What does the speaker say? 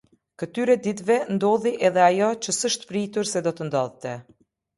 Këtyre ditëve ndodhi edhe ajo që s'është pritur se do të ndodhte.